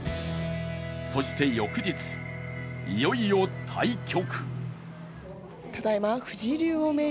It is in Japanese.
そして、翌日いよいよ対局。